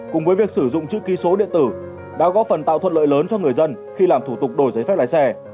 cùng với việc sử dụng chữ ký số điện tử đã góp phần tạo thuận lợi lớn cho người dân khi làm thủ tục đổi giấy phép lái xe